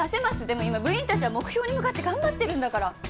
でも今部員たちは目標に向かって頑張ってるんだから。